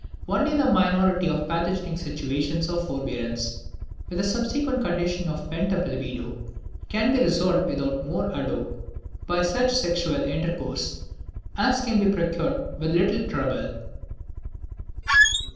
Only the minority of pathogenic situations of forbearance, with a subsequent condition of pent up libido, can be resolved without more ado by such sexual intercourse as can be procured with little trouble.